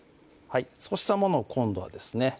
そうしたものを今度はですね